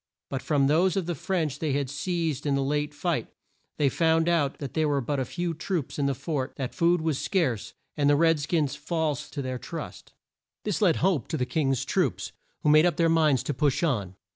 But from those of the French that they had seized in the late fight, they found out that there were but few troops in the fort, that food was scarce, and the red skins false to their trust. This lent hope to the King's troops, who made up their minds to push on.